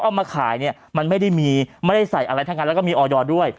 เอามาขายเนี่ยมันไม่ได้มีไม่ได้ใส่อะไรทั้งนั้นแล้วก็มีออยด้วย